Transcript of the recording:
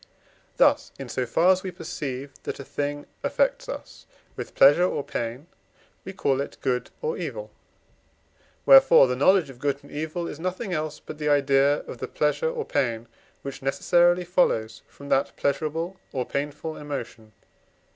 Thus, in so far as we perceive that a thing affects us with pleasure or pain, we call it good or evil; wherefore the knowledge of good and evil is nothing else but the idea of the pleasure or pain, which necessarily follows from that pleasurable or painful emotion (II.